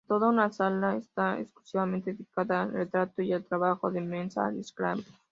Toda una sala está exclusivamente dedicada al retrato y al trabajo de Mensah-Schramm.